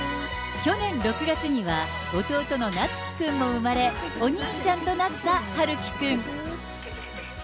去年６月には、弟の夏幹くんも産まれ、お兄ちゃんとなった陽喜くん。